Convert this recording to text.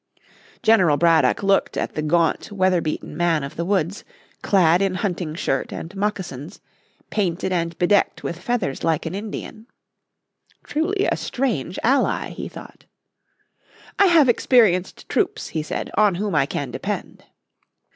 General Braddock looked at the gaunt weather beaten man of the woods, clad in hunting shirt and moccasins, painted and bedecked with feathers like an Indian. Truly a strange ally, he thought. "I have experienced troops," he said, "on whom I can depend."